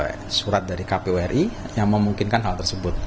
ini adalah surat dari kpwri yang memungkinkan hal tersebut